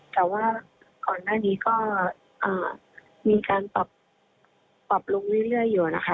แต่ว่าก่อนหน้านี้ก็มีการปรับลงเรื่อยอยู่นะคะ